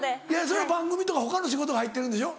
それは番組とか他の仕事が入ってるんでしょ？